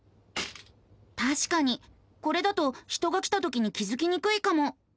たしかにこれだと人が来たときに気付きにくいかも。